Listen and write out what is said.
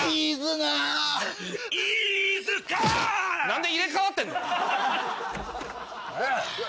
何で入れ替わってんだよ！